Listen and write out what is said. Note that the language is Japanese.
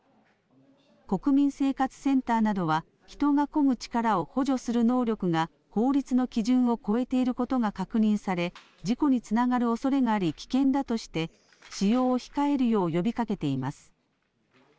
国民生活センターなどは、人がこぐ力を補助する能力が法律の基準を超えていることが確認され、事故につながるおそれがあり、危険だとして、使用を控えるよう呼びかけています。